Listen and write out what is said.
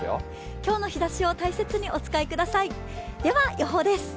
今日の日ざしを大切にお使いください。